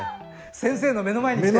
先生の目の前に来て。